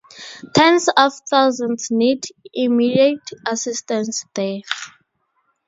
Tens of thousands need immediate assistance there.